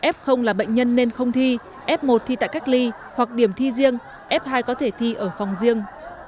f là bệnh nhân nên không thi f một thi tại cách ly hoặc điểm thi riêng f hai có thể thi ở phòng riêng